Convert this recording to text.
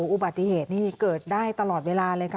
อุบัติเหตุนี่เกิดได้ตลอดเวลาเลยค่ะ